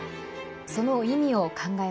その意味を考えます。